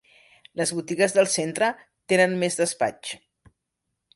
Les botigues del centre tenen més despatx.